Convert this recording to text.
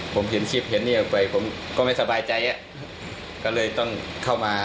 ผมเห็นชีพมันที่จะไปผมก็ไม่สบายใจก็เลยต้องเข้ามา